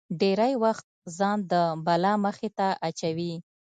ډېری وخت ځان د بلا مخې ته اچوي.